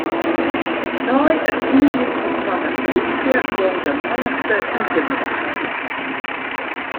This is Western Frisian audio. Nei it yngripen fan 'e polysje gong de mannichte útinoar.